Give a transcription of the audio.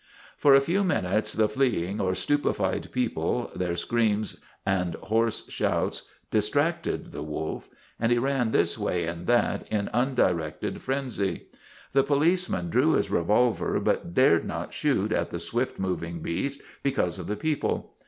For a few minutes the fleeing or stupefied people, their screams and hoarse shouts, distracted the wolf, and he ran this way and that in undirected frenzy. The policeman drew his revolver but dared not shoot at the swift moving beast because of the people.